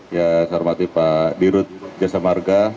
yang saya hormati pak dirut jasa marga